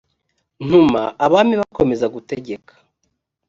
ntuma abami bakomeza gutegeka